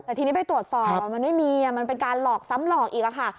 แต่ทีนี้ไปตรวจสอบมันไม่มีมันเป็นการหลอกซ้ำหลอกอีกค่ะ